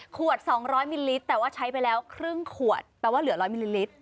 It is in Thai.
ขวดสองร้อยมิลลิตรแต่ว่าใช้ไปแล้วครึ่งขวดแต่ว่าเหลือร้อยมิลลิตร